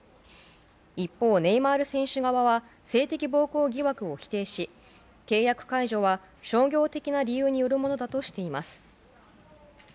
一方、ネイマール選手側は性的暴行疑惑を否定し契約解除は商業的な理由によるものだとしています。